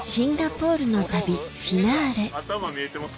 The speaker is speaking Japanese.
頭見えてます。